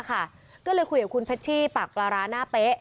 ก็เลยคุยกับคุณเพชชี่ปากปลาร้าหน้าเป๊ะ